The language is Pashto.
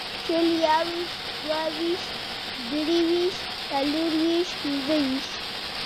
شل یوویشت دوهویشت درویشت څلېرویشت پنځهویشت